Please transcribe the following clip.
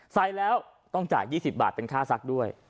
ใส่แล้วต้องจ่าย๒๐บาทเป็นค่าซักด้วย